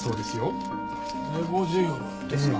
ネゴジウムですか。